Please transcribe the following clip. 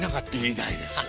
いないです。